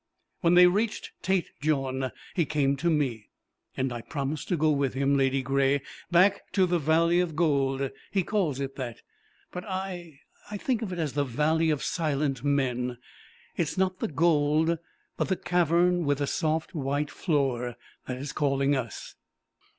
When they reached Tête Jaune he came to me. And I promised to go with him, Ladygray back to the Valley of Gold. He calls it that; but I I think of it as The Valley of Silent Men. It is not the gold, but the cavern with the soft white floor that is calling us."